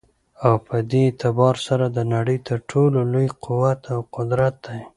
او په دي اعتبار سره دنړۍ تر ټولو لوى قوت او قدرت دى